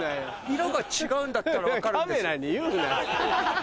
色が違うんだったら分かるんですけど。